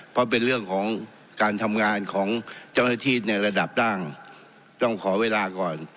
เพราะเป็นเรื่องของการทำงานของเจ้าหน้าที่ในระดับล่างต้องขอเวลาก่อน